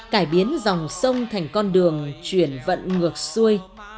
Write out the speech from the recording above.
cải biến dòng sông thành con đường chuyển vận ngược xuôi